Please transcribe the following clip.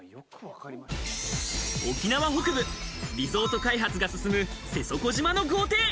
沖縄北部、リゾート開発が進む瀬底島の豪邸。